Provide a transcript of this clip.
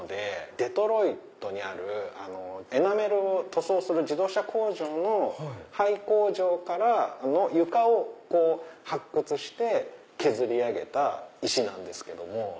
デトロイトにあるエナメルを塗装する自動車工場の廃工場の床を発掘して削り上げた石なんですけども。